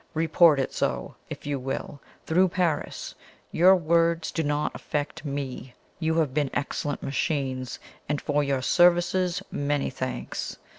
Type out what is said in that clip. Report it so, if you will, through Paris; your words do not affect me. You have been excellent machines, and for your services many thanks!